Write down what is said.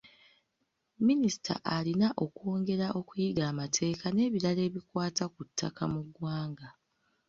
Minisita alina okwongera okuyiga amateeka n’ebirala ebikwata ku ttaka mu ggwanga.